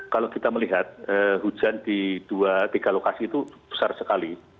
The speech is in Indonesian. kalau kita melihat hujan di dua tiga lokasi itu besar sekali